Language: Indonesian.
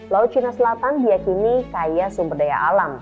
laut cina selatan diakini kaya sumber daya alam